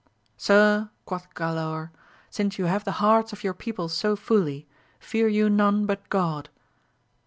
Sir, quoth Galaor, since you have the hearts of your people so fully, fear you none but God.